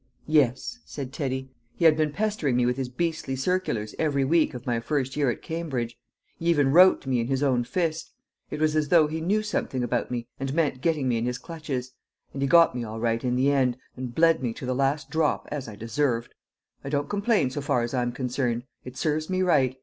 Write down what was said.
"Yes," said Teddy; "he had been pestering me with his beastly circulars every week of my first year at Cambridge. He even wrote to me in his own fist. It was as though he knew something about me and meant getting me in his clutches; and he got me all right in the end, and bled me to the last drop as I deserved. I don't complain so far as I'm concerned. It serves me right.